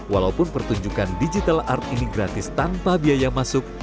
walaupun pertunjukan digital art ini gratis tanpa biaya masuk